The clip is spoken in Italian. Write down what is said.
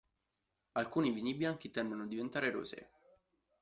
Alcuni vini bianchi tendono a diventare rosé.